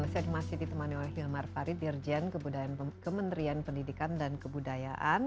saya masih ditemani oleh hilmar farid dirjen kementerian pendidikan dan kebudayaan